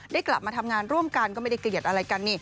กลับมาทำงานร่วมกันก็ไม่ได้เกลียดอะไรกันนี่